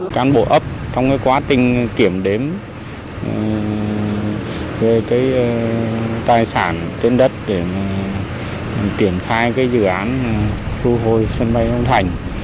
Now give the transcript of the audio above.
các bộ ấp trong quá trình kiểm đếm về tài sản trên đất để tiển khai dự án thu hồi sân bay long thành